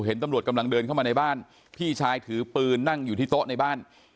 เห็นตำรวจกำลังเดินเข้ามาในบ้านพี่ชายถือปืนนั่งอยู่ที่โต๊ะในบ้าน